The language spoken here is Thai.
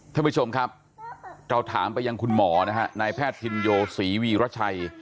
ท่านผู้ชมครับเราถามไปยังคุณหมอนะฮะนายแพทย์พินโยศรีวีรชัย